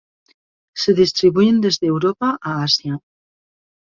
Se distribuyen desde Europa a Asia.